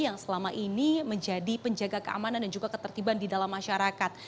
yang selama ini menjadi penjaga keamanan dan juga ketertiban di dalam masyarakat